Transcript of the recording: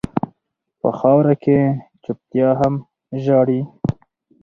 په خاوره کې چپتيا هم ژاړي.